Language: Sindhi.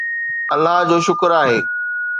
الله جو شڪر آهي